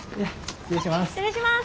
失礼します。